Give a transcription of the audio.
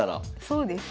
そうです。